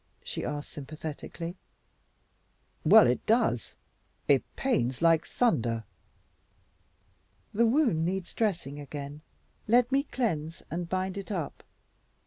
she asked sympathetically. "Well, it does. It pains like thunder." "The wound needs dressing again. Let me cleanse and bind it up."